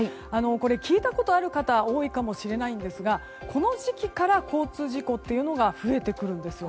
聞いたことある方多いかもしれませんがこの時期から交通事故というのが増えてくるんですよ。